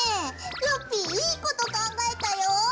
ラッピィいいこと考えたよ。